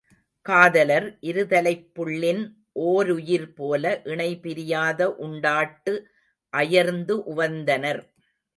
காதலர் இருதலைப் புள்ளின் ஓருயிர்போல இணைபிரியாத உண்டாட்டு அயர்ந்து உவந்தனர்.